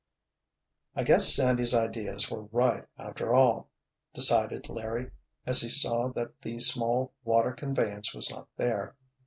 "I guess Sandy's ideas were right, after all," decided Larry as he saw that the small water conveyance was not there.